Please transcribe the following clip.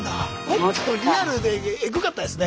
もっとリアルでエグかったですね。